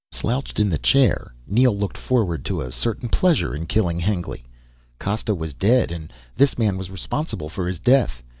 Slouched in the chair Neel looked forward to a certain pleasure in killing Hengly. Costa was dead, and this man was responsible for his death.